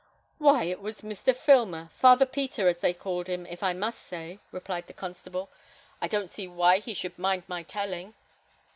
"Why, it was Mr. Filmer; Father Peter, as they call him, if I must say," replied the constable. "I don't see why he should mind my telling."